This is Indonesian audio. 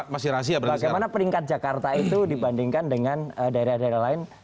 bagaimana peringkat jakarta itu dibandingkan dengan daerah daerah lain